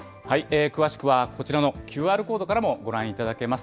詳しくはこちらのＱＲコードからもご覧いただけます。